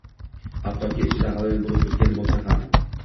hattoki ichida g‘alayon bo‘lib turgan bo‘lsa ham